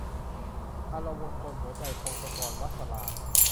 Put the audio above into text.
อลวนกลหัวใจ - พงศกร - วัสส์ วรา